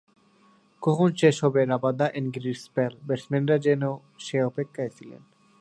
কখন শেষ হবে রাবাদা-এনগিদির স্পেল, ব্যাটসম্যানরা যেন সে অপেক্ষায় ছিলেন।